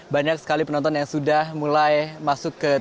banyak sekali penonton yang sudah mulai masuk ke